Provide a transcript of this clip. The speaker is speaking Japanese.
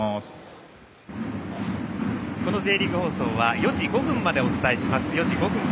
このＪリーグ放送は４時５分まで、お伝えします。